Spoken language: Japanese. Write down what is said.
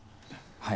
はい？